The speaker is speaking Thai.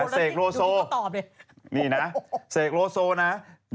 เสกโลโซนี่นะเสกโลโซนะดูนี่ก็ตอบ